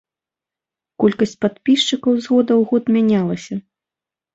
Колькасць падпісчыкаў з года ў год мянялася.